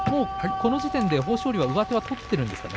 この時点で豊昇龍は上手は取っているんですかね。